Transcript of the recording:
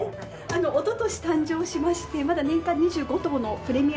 おととし誕生しましてまだ年間２５頭のプレミアム牛になっております。